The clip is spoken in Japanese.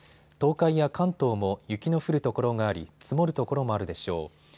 東海や関東も雪の降る所があり積もる所もあるでしょう。